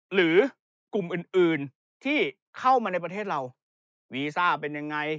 หรือกลุ่มอื่นอื่นที่เข้ามาในประเทศเราวีซ่าเป็นยังไง